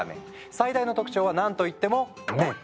最大の特徴はなんと言っても麺。